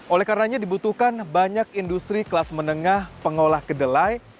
oleh karenanya dibutuhkan banyak industri kelas menengah pengolah kedelai